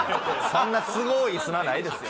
そんな都合いい砂ないですよ